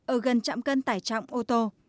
ở gần chạm cân tải trọng ô tô